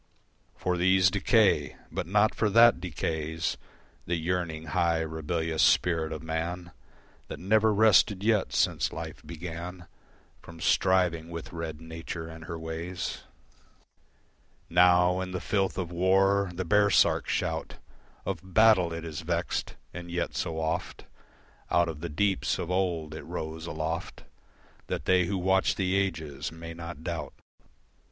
For these decay: but not for that decays The yearning, high, rebellious spirit of man That never rested yet since life began From striving with red Nature and her ways. Now in the filth of war, the baresark shout Of battle, it is vexed. And yet so oft Out of the deeps, of old, it rose aloft That they who watch the ages may not doubt.